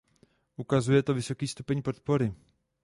Ukazuje to vysoký stupeň podpory.